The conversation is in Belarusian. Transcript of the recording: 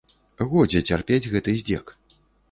Годзе цярпець гэты здзек!